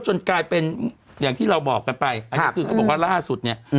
จนกลายเป็นอย่างที่เราบอกกันไปอันนี้คือเขาบอกว่าล่าสุดเนี่ย